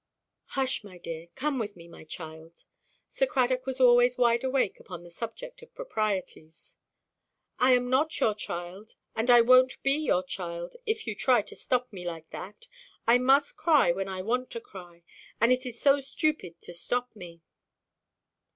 "Hush, my dear; come with me, my child!" Sir Cradock was always wide awake upon the subject of proprieties. "I am not your child; and I wonʼt be your child, if you try to stop me like that. I must cry when I want to cry, and it is so stupid to stop me."